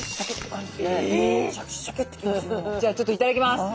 じゃあちょっと頂きます。